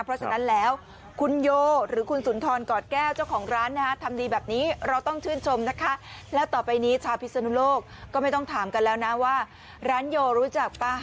เพราะฉะนั้นแล้วคุณโยหรือคุณสุนทรกอดแก้วเจ้าของร้านนะฮะทำดีแบบนี้เราต้องชื่นชมนะคะแล้วต่อไปนี้ชาวพิศนุโลกก็ไม่ต้องถามกันแล้วนะว่าร้านโยรู้จักป่ะ